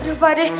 aduh pak ade